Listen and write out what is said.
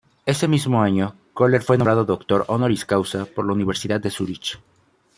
Ese mismo año, Koller fue nombrado "Doctor honoris causa" por la Universidad de Zúrich.